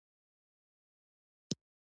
د ګازرو کښت څنګه دی؟